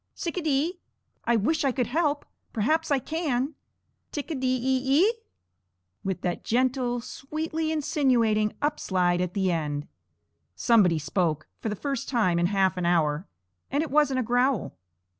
"Tsic a dee. I wish I could help. Perhaps I can. Tic a dee e e?" with that gentle, sweetly insinuating up slide at the end. Somebody spoke, for the first time in half an hour, and it wasn't a growl.